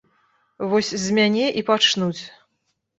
Вось з мяне і пачнуць.